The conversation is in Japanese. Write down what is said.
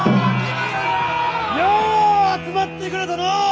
よう集まってくれたのう！